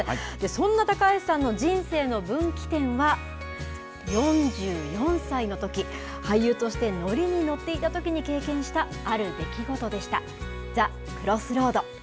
そんな高橋さんの人生の分岐点は、４４歳のとき、俳優として乗りに乗っていたときに経験したある出来事でした。